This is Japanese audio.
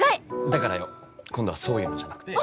だからよ。今度はそういうのじゃなくて。